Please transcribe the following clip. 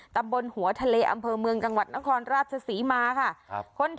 ตำบลหัวทะเลอำเภอเมืองจังหวัดนครราชศรีมาค่ะ